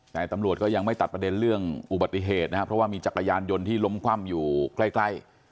แต่ตำรวจก็ยังไม่ตัดประเด็นเรื่องอุบัติเหตุนะครับเพราะว่ามีจักรยานยนต์ที่ล้มคว่ำอยู่ใกล้ใกล้